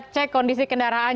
cek kondisi kendaraan